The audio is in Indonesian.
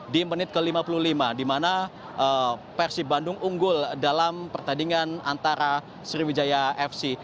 di menit ke lima puluh lima di mana persib bandung unggul dalam pertandingan antara sriwijaya fc